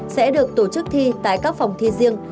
sẽ được tổ chức thi tại các phòng thi riêng